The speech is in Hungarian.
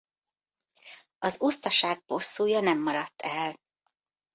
Az usztasák bosszúja nem maradt el.